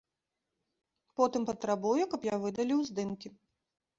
Потым патрабуе, каб я выдаліў здымкі.